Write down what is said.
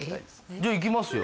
じゃあいきますよ。